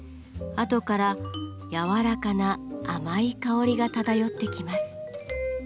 あとから柔らかな甘い香りが漂ってきます。